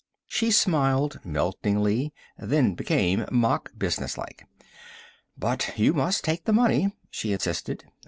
She smiled meltingly, then became mock businesslike. "But you must take the money," she insisted.